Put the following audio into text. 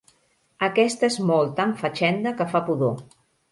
Aquesta és molt tan fatxenda que fa pudor.